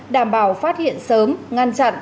đảm bảo phát hiện sớm ngăn chặn